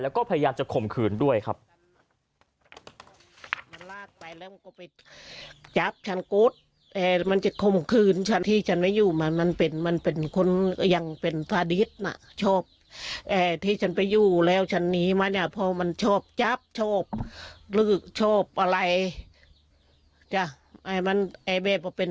แล้วก็พยายามจะข่มขืนด้วยครับ